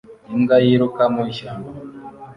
Imbwa yiruka mu ishyamba